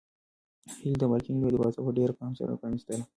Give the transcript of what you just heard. هیلې د بالکن لویه دروازه په ډېر پام سره پرانیستله.